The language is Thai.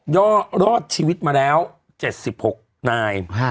รอดชีวิตมาแล้ว๗๖นาย